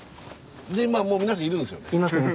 でまあ皆さんいるんですよね？